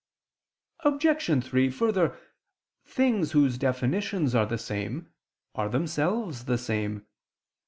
Obj. 3: Further, things whose definitions are the same, are themselves the same.